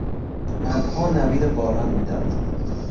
ابرها نوید باران میداد.